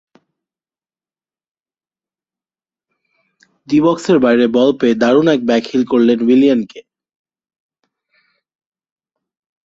D বক্সের বাইরে ball পেয়ে দারুণ এক ব্যাক হিল করলেন উইলিয়ানকে।